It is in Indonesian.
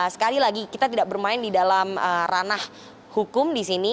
sekali lagi kita tidak bermain di dalam ranah hukum di sini